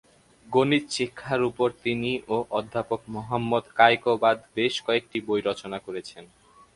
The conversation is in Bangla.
গণিত শিক্ষার উপর তিনি ও অধ্যাপক মোহাম্মদ কায়কোবাদ বেশ কয়েকটি বই রচনা করেছেন।